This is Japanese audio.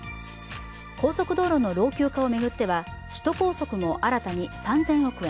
高速道路の老朽化を巡っては、首都高速も新たに３０００億円